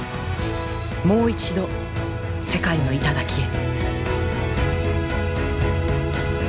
もう一度世界の頂へ。